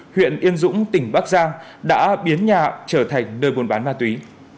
huyện yên dũng tỉnh bắc giang đã biến nhà trở thành nơi buôn bán ma túy